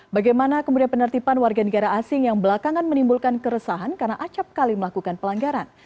bagaimana kemudian penertiban warga negara asing yang belakangan menimbulkan keresahan karena acapkali melakukan pelanggaran